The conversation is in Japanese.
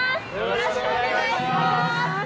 よろしくお願いします！